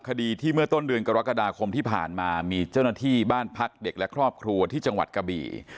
คดีที่เมื่อต้นเดือนกรกฎาคมที่ผ่านมามีเจ้าหน้าที่บ้านพักเด็กและครอบครัวที่จังหวัดกะบี่